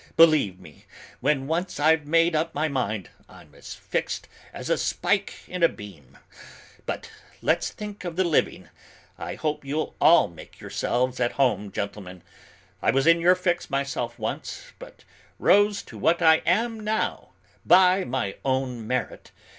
Believe me, when once I've made up my mind, I'm as fixed as a spike in a beam! But let's think of the living. I hope you'll all make yourselves at home, gentlemen: I was in your fix myself once; but rose to what I am now by my own merit.